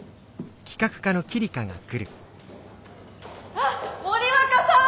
あっ森若さん！